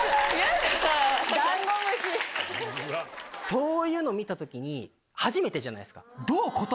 そういうの見た時に初めてじゃないですか。